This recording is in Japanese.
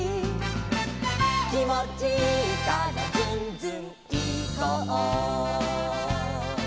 「きもちいいからズンズンいこう」